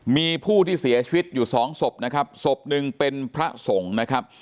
มีผู้ที่เสียชีวิตอยู่สองศพนะครับศพหนึ่งเป็นพระสงฆ์นะครับ